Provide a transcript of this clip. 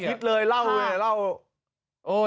ว่ายรอบทิศเลยเล่าเลย